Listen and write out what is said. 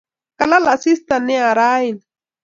Kalal asista nia raini